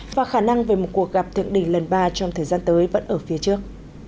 và khả năng về một cuộc gặp thượng đỉnh lần ba trong thời gian tới vẫn ở phía trước